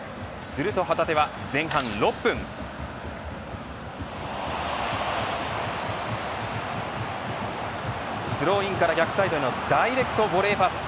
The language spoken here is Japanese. すると、旗手は前半６分スローインから逆サイドへのダイレクトボレーパス。